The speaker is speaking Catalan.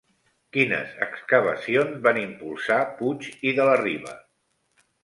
Quines excavacions van impulsar Puig i de la Riba?